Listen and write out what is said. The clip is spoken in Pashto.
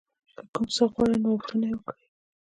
که کوم څه غواړئ نو غوښتنه یې وکړئ.